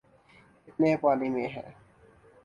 ‘ کتنے پانی میں ہیں۔